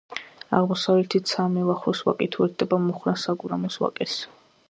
აღმოსავლეთით საამილახვროს ვაკით უერთდება მუხრან-საგურამოს ვაკეს.